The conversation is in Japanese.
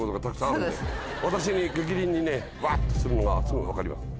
私に逆鱗にねワッとするのがすぐ分かります。